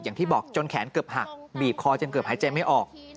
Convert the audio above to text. อย่างที่บอกจนแขนเกือบหักบีบคอจนเกือบหายใจไม่ออก